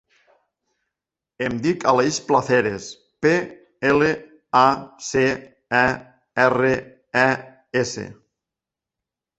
Em dic Aleix Placeres: pe, ela, a, ce, e, erra, e, essa.